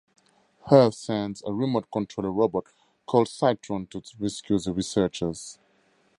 Earth sends a remote-controlled robot called Cytron to rescue the researchers.